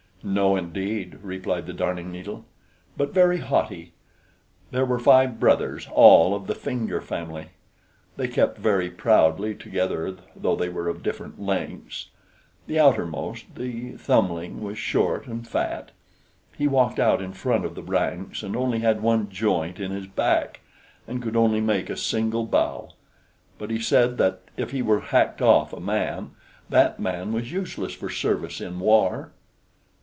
"No, indeed," replied the Darning needle: "but very haughty. There were five brothers, all of the finger family. They kept very proudly together though they were of different lengths: the outermost, the thumbling, was short and fat; he walked out in front of the ranks, and only had one joint in his back, and could only make a single bow; but he said that if he were hacked off a man, that man was useless for service in war.